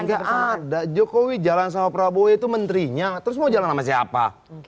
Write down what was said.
nggak ada jokowi jalan sama prabowo itu menterinya terus mau jalan sama siapa